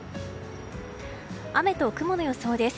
雨と雲の予想です。